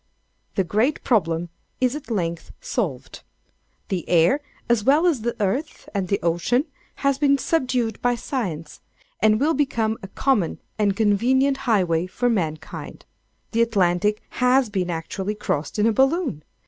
] The great problem is at length solved! The air, as well as the earth and the ocean, has been subdued by science, and will become a common and convenient highway for mankind. _The Atlantic has been actually crossed in a Balloon!